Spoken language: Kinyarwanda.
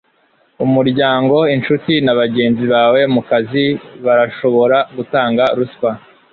Umuryango, inshuti na bagenzi bawe mukazi barashobora gutanga ruswa